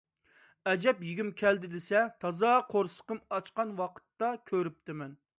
ئەجەب يېگۈم كەلدى دېسە! تازا قورسىقىم ئاچقان ۋاقىتتا كۆرۈپتىمەن.